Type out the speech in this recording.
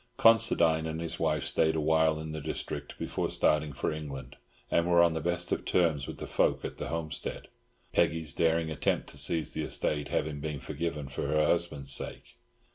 Considine and his wife stayed a while in the district before starting for England, and were on the best of terms with the folk at the homestead, Peggy's daring attempt to seize the estate having been forgiven for her husband's sake.